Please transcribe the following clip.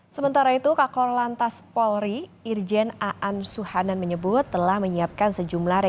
sementara itu kakor lantas polri irjen aan suhanan menyebut telah menyiapkan sejumlah rekomendasi